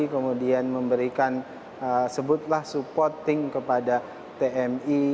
kemudian memberikan sebutlah supporting kepada tmi